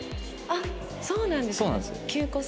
あっそうなんですね。